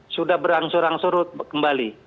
sudah berangsur angsur kembali